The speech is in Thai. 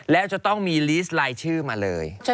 แล้วจะต้องมีลีสลายชื่อมาเลย